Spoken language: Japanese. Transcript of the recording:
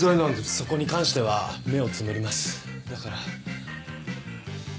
そこに関しては目をつぶりますだから。